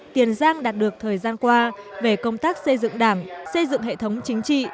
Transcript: tiền giang đạt được thời gian qua về công tác xây dựng đảng xây dựng hệ thống chính trị